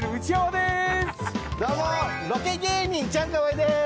ロケ芸人チャンカワイです！